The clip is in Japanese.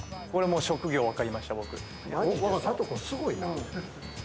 職業分かりました、僕。